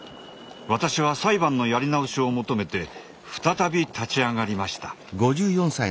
私は裁判のやり直しを求めて再び立ち上がりました。